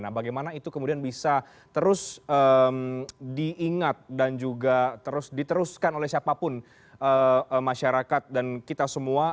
nah bagaimana itu kemudian bisa terus diingat dan juga terus diteruskan oleh siapapun masyarakat dan kita semua